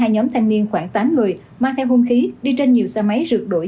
hai nhóm thanh niên khoảng tám người mang theo hung khí đi trên nhiều xe máy rượt đuổi